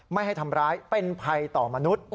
ไม่ให้ทำร้ายเป็นภัยต่อมนุษย์